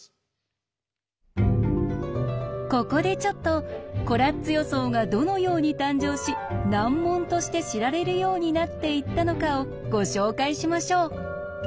ここでちょっとコラッツ予想がどのように誕生し難問として知られるようになっていったのかをご紹介しましょう。